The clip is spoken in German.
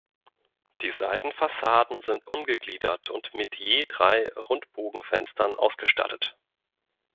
Die Seitenfassaden sind ungegliedert und mit je drei Rundbogenfenstern ausgestattet.